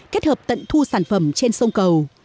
kết hợp tận thu sản phẩm trên sông cầu